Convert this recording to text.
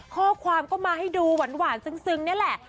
ข้อความก็มาให้ดูหวานซึ้งนี่แหละ